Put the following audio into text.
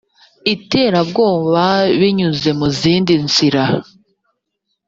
iterabwoba binyuze mu zindi nzira